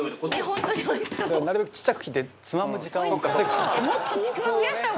「なるべくちっちゃく切ってつまむ時間を稼ぐしかない」